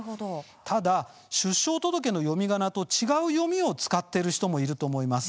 ただ出生届の読みがなと違う読みを使っている人もいると思います。